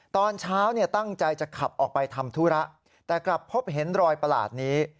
ตอนเช้าตั้งใจจะขับออกไปทำธุระแต่กลับพบเห็นรอยประหลาดนี้